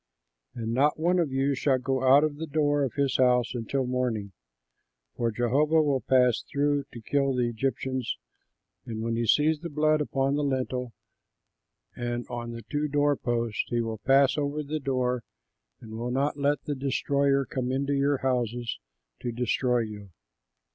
And not one of you shall go out of the door of his house until morning, for Jehovah will pass through to kill the Egyptians, and when he sees the blood upon the lintel and on the two door posts, he will pass over the door and will not let the destroyer come into your houses to destroy you.